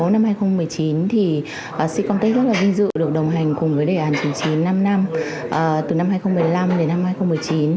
năm hai nghìn một mươi chín thì sicom tech rất là vinh dự được đồng hành cùng với đề án chín mươi chín năm năm từ năm hai nghìn một mươi năm đến năm hai nghìn một mươi chín